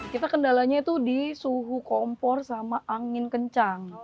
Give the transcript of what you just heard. kita kendalanya itu di suhu kompor sama angin kencang